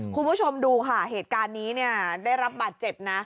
คุณผู้ชมดูค่ะเหตุการณ์นี้เนี่ยได้รับบาดเจ็บนะ